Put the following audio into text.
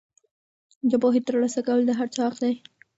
د پوهې ترلاسه کول د هر چا حق دی.